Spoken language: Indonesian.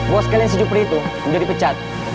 buat sekalian si juper itu udah dipecat